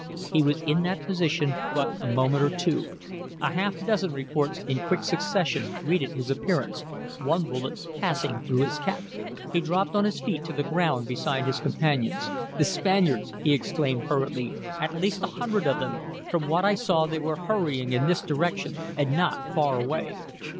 He was in that position but a moment or two. A half dozen reports in quick succession greeted his appearance one bullet passing through his cap. He dropped on his feet to the ground beside his companions. "The Spaniards!" he exclaimed, hurriedly. "At least a hundred of them. From what I saw they were hurrying in this direction and not far away."